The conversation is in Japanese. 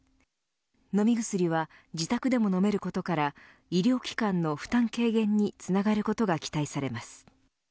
飲み薬は自宅でも飲めることから医療機関の負担軽減につながることが期待されます。